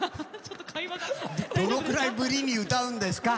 どのくらいぶりに歌うんですか？